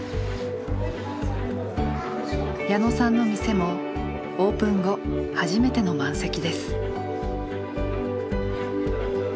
矢野さんの店もオープン後初めての満席です。